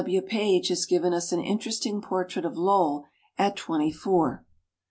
W. Page has given us an interesting portrait of Lowell at twenty four.